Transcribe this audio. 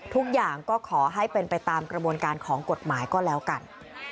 ทุกอย่างก็ขอให้เป็นไปตามกระบวนการของกฎหมายก็แล้วกัน